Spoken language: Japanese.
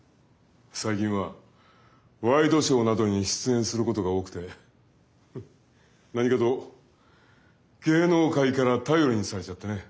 最近はワイドショーなどに出演することが多くてフッ何かと芸能界から頼りにされちゃってね。